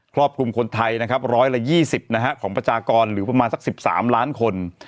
รอบคลุมคนไทยนะครับ๑๒๐ของประชากรหรือประมาณสัก๑๓ล้านคน